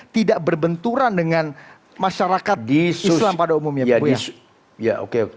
tidak berbenturan dengan masyarakat islam pada umumnya bu ya